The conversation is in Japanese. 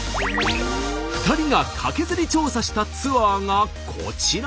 ２人がカケズリ調査したツアーがこちら。